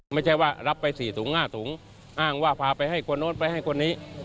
ไม่ใช่ว่ารับไป๔ถุง๕ถุงอ้างว่าพาไปให้คนโน้นไปให้คนนี้